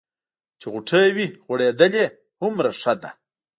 چې غوټۍ وي غوړېدلې هومره ښه ده.